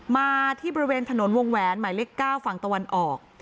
มาที่บริเวณถนนวงแหวนหมายเลข๙ฝั่งตะวันออก